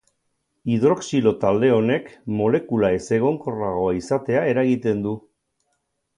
Hidroxilo talde honek molekula ezegonkorragoa izatea eragiten du.